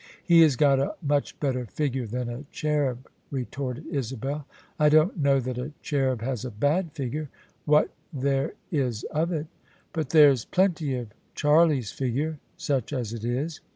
" He has got a much better figure than a cherub," re torted Isabel. " I don't know that a cherub has a bad figure — ^what there is of it." " But there's plenty of Charlie's figure — such as it is."